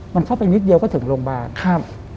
มันเข้าไปนิดเดียวก็ถึงโรงพยาบาลครับ